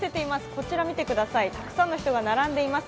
こちら見てくださいたくさんの人が並んでいます。